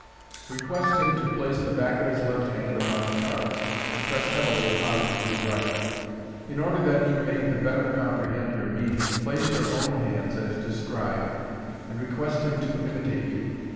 Request him to place the back of his left hand upon the cards, and press heavily upon it with his right. In order that he may the better comprehend your meaning, place your own hands as described (see Fig. 30), and request him to imitate you.